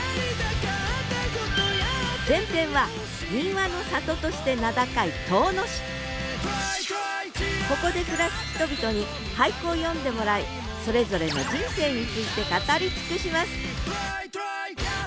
前編は民話の里として名高いここで暮らす人々に俳句を詠んでもらいそれぞれの人生について語り尽くします